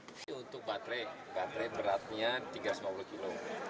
ini untuk baterai baterai beratnya tiga ratus lima puluh kg